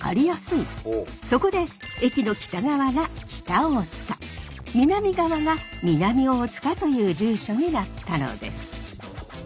そこで駅の北側が北大塚南側が南大塚という住所になったのです。